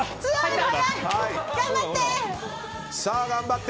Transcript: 頑張って！